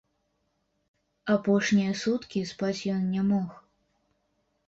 Апошнія суткі спаць ён не мог.